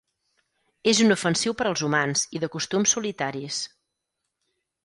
És inofensiu per als humans i de costums solitaris.